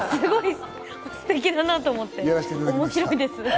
すてきだなと思って、面白いです。